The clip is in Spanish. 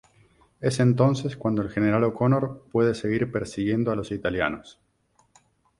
Es entonces cuando el general O'Connor puede seguir persiguiendo a los italianos.